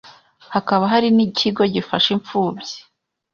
hakaba hari n’ikigo gifasha infubyi,